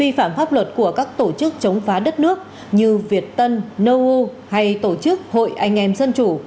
vi phạm pháp luật của các tổ chức chống phá đất nước như việt tân nâu u hay tổ chức hội anh em dân chủ